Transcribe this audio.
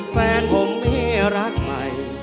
แฟนผมมีรักใหม่